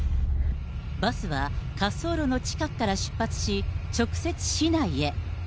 バスは、滑走路の近くから出発し、直接市内へ。